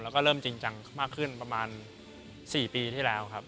แล้วก็เริ่มจริงจังมากขึ้นประมาณ๔ปีที่แล้วครับ